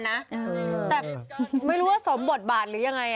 แต่ไม่รู้ว่าสมบทบาทหรือยังไง